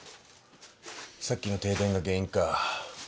さっきの停電が原因か。